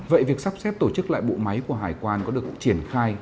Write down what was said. vậy việc sắp xếp tổ chức lại bộ máy của hải quan có được triển khai